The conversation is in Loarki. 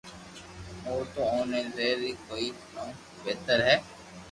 او تو اوني زبر ھي ڪي ڪاوُ بھتر ھي